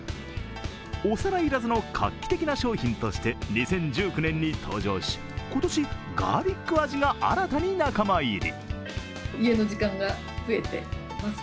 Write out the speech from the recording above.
お皿いらずの活気手な商品として２０１９年に登場し、今年、ガーリック味が新たに仲間入り。